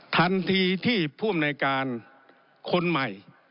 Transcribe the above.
ทันทีที่ผู้อำนวยการคนใหม่